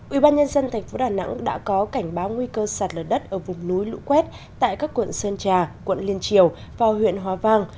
ubnd tp đà nẵng đã có cảnh báo nguy cơ sạt lở đất ở vùng núi lũ quét tại các quận sơn trà quận liên triều và huyện hòa vang